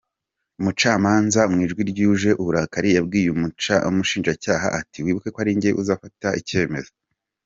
Umucamanza mu Ijwi ryuje uburakari yabwiye umushinjacyaha ati “ Wibuke ko ari njyewe uzafata icyemezo.